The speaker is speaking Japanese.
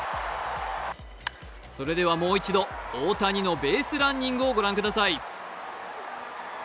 それではもう一度、大谷のベースランニングをご覧ください。